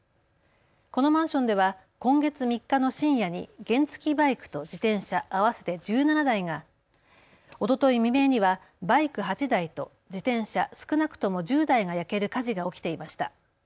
このマンションでは今月３日の深夜に原付きバイクと自転車合わせて１７台が、おととい未明にはバイク８台と自転車少なくとも１０台が焼ける火事が起きていました。